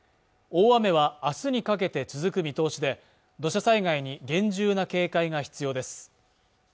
大雨は明日にかけて続く見通しで土砂災害に厳重な警戒が必要です